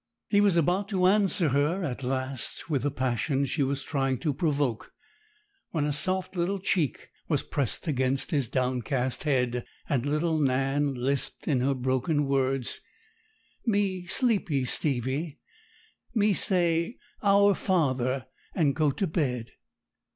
He was about to answer her at last with the passion she was trying to provoke, when a soft little cheek was pressed against his downcast head, and little Nan lisped in her broken words, 'Me sleepy, Stevie; me say "Our Father," and go to bed.'